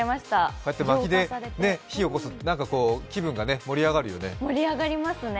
こうやって薪で火をおこすって気分が盛り上がるよね。